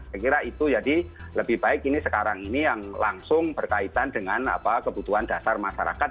saya kira itu jadi lebih baik ini sekarang ini yang langsung berkaitan dengan kebutuhan dasar masyarakat